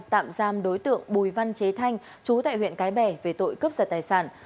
tạm giam đối tượng bùi văn chế thanh chú tại huyện cái bè về tội cướp giật tài sản